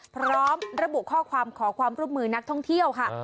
พร้อมระบุข้อความขอความร่วมมือนักท่องเที่ยวค่ะ